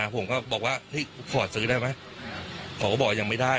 ผมก็บอกว่าขอซื้อได้ไหมเขาก็บอกว่ายังไม่ได้